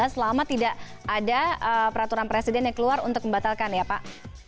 selama tidak ada peraturan presiden yang keluar untuk membatalkan ya pak